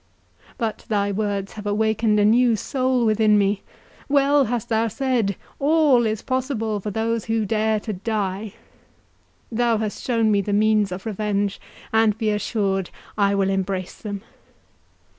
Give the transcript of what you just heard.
—But thy words have awakened a new soul within me—Well hast thou said, all is possible for those who dare to die!—Thou hast shown me the means of revenge, and be assured I will embrace them.